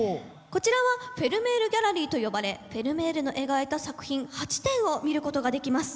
こちらはフェルメールギャラリーと呼ばれフェルメールの描いた作品８点を見ることができます。